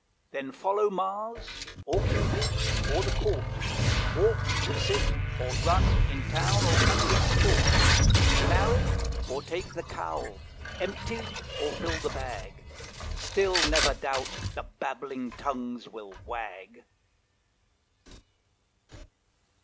Then follow Mars, or Cupid, or the Court, Walk, sit, or run, in town or country sport, Marry or take the cowl, empty or fill the bag, Still never doubt the babbling tongues will wag.